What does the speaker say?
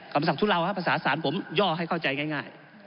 คำสั่งทุเลาภาษาสารผมย่อให้เข้าใจง่าย